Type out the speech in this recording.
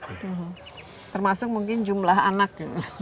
termasuk mungkin jumlah anak